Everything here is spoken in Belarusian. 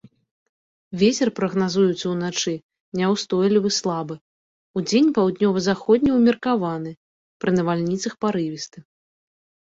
Вецер прагназуецца ўначы няўстойлівы слабы, удзень паўднёва-заходні ўмеркаваны, пры навальніцах парывісты.